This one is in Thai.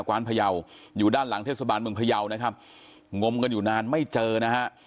ว้านพยาวอยู่ด้านหลังเทศบาลเมืองพยาวนะครับงมกันอยู่นานไม่เจอนะฮะ